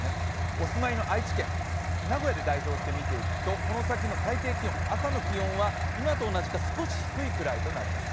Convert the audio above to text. お住まいの愛知県、名古屋で代表して見ていくとこの先の最低気温、朝の気温は今と同じか少し寒いくらいになりそうです。